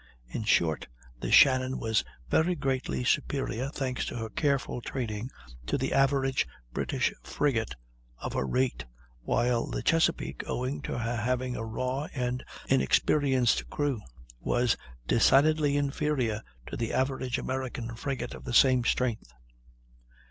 In short, the Shannon was very greatly superior, thanks to her careful training, to the average British frigate of her rate, while the Chesapeake, owing to her having a raw and inexperienced crew, was decidedly inferior to the average American frigate of the same strength.